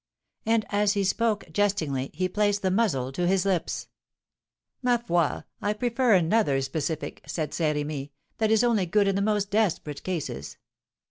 And as he spoke, jestingly, he placed the muzzle to his lips. "Ma foi! I prefer another specific," said Saint Remy; "that is only good in the most desperate cases."